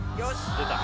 出た。